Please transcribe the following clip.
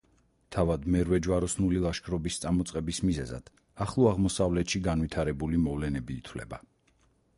თავად მერვე ჯვაროსნული ლაშქრობის წამოწყების მიზეზად ახლო აღმოსავლეთში განვითარებული მოვლენები ითვლება.